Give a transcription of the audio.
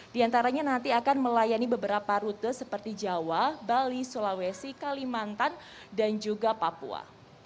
di antaranya nanti akan melayani beberapa rute seperti jawa bali sulawesi kalimantan dan juga papua